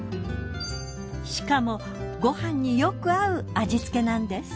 しかもご飯によく合う味付けなんです。